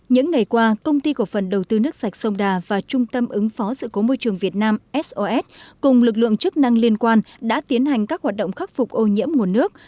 những ngày qua công ty cổ phần đầu tư nước sạch sông đà và trung tâm ứng phó sự cố môi trường việt nam sos cùng lực lượng chức năng liên quan đã tiến hành các hoạt động khắc phục ô nhiễm nguồn nước